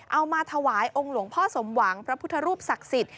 เอามาถวายองค์หลวงพ่อสมหวังพระพุทธรูปศักดิ์สิทธิ